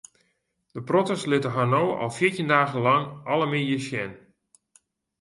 De protters litte har no al fjirtjin dagen lang alle middeis sjen.